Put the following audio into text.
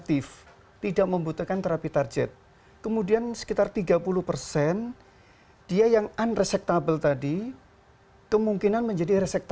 iya kita dasarnya adalah ilmiah ya